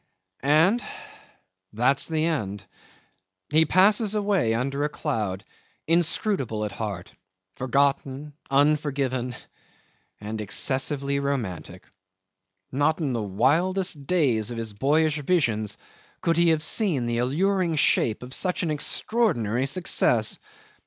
'And that's the end. He passes away under a cloud, inscrutable at heart, forgotten, unforgiven, and excessively romantic. Not in the wildest days of his boyish visions could he have seen the alluring shape of such an extraordinary success!